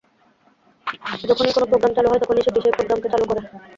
যখনই কোনো প্রোগ্রাম চালু হয়, তখনই সেটি সেই প্রোগ্রামকে চালু করে।